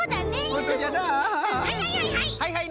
はいはいはいはい！